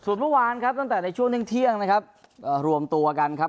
ส่วนเมื่อวานครับตั้งแต่ในช่วงหนึ่งเที่ยงนะครับรวมตัวกันครับ